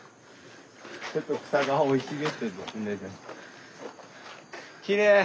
ちょっと草が生い茂ってんですね。